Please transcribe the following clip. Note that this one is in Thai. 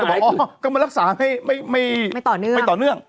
อาจารย์เอกก็บอกก็มารักษาให้ไม่ต่อเนื่อง